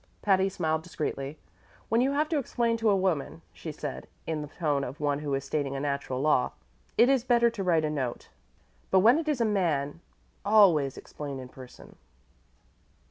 Patty smiled discreetly. "When you have to explain to a woman," she said in the tone of one who is stating a natural law, "it is better to write a note; but when it is a man, always explain in person."